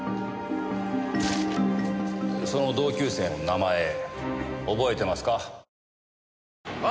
その同級生の名前覚えてますか？